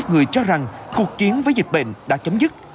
người cho rằng cuộc chiến với dịch bệnh đã chấm dứt